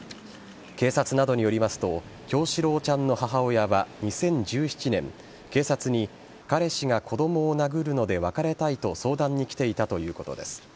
警察などによりますと叶志郎ちゃんの母親は２０１７年、警察に彼氏が子供を殴るので別れたいと相談に来ていたということです。